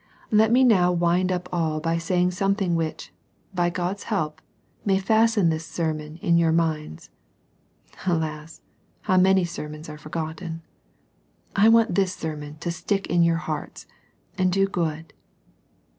Let me now wind up all by saying something which, by God's help, may fasten this sermon in your minds. Alas, how many sermons are forgotten ! I want this sermon to stick in your hearts, and do good.